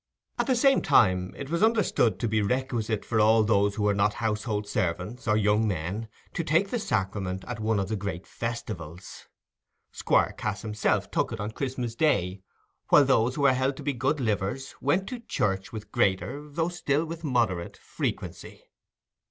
At the same time, it was understood to be requisite for all who were not household servants, or young men, to take the sacrament at one of the great festivals: Squire Cass himself took it on Christmas day; while those who were held to be "good livers" went to church with greater, though still with moderate, frequency.